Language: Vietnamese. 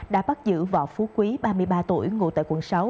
đã bắt giữ vỏ phú quý ba mươi ba tuổi ngủ tại quận sáu